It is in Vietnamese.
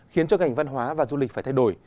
khiến cho ngành văn hóa và du lịch phải thay đổi